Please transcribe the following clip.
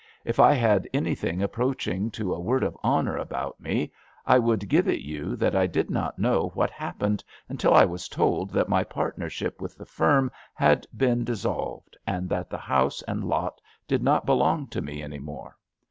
If I had anything approaching to a word of honour about me, I would give it you that I did not know what happened until I was told that my partnership with the firm had been dis solved, and that the house and lot did not belong to me any more.